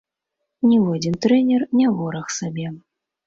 Ніводзін трэнер не вораг сабе.